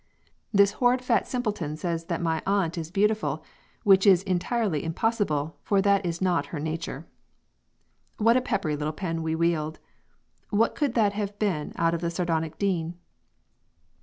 This horrid fat simpliton says that my Aunt is beautifull which is intirely impossible for that is not her nature." What a peppery little pen we wield! What could that have been out of the sardonic Dean?